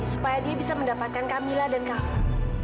supaya dia bisa mendapatkan kamila dan kava